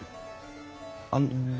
あの。